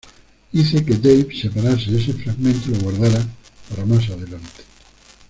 Hice que Dave separase ese fragmento y lo guardara para más adelante.